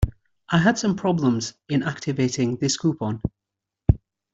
I had some problems in activating this coupon.